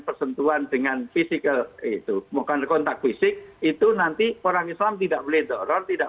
persentuhan dengan fisika itu bukan kontak fisik itu nanti orang islam tidak boleh doror tidak